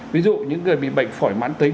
ví dụ những người bị bệnh phổi mán tính